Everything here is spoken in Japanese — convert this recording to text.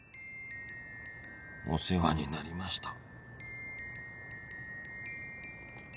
お世話になりました